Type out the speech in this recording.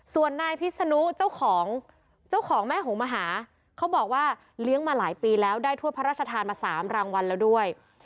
ส่วนนายพิษนุเจ้าของเจ้าของแม่หงมหาเขาบอกว่าเลี้ยงมาหลายปีแล้วได้ถ้วยพระราชทานมา๓รางวัลแล้วด้วย